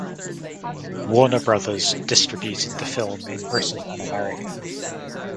Warner Brothers distributed the film in Britain and America.